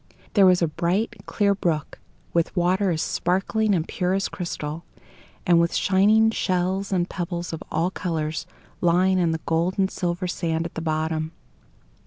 There was a bright, clear brook, with water as sparkling and pure as crystal, and with shining shells and pebbles of all colours lying in the gold and silver sand at the bottom.